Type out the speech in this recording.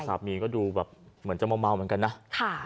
สามีก็ดูแบบเหมือนจะเมาเหมือนกันนะ